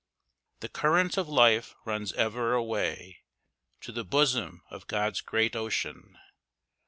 The current of life runs ever away To the bosom of God's great ocean.